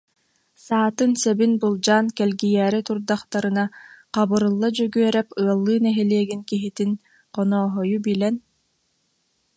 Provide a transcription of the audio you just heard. Саатын-сэбин былдьаан кэлгийээри турдахтарына Хабырылла Дьөгүө- рэп ыаллыы нэһилиэгин киһитин, Хонооһойу билэн: